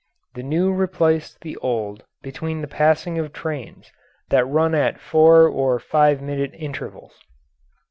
The new replaced the old between the passing of trains that run at four or five minute intervals.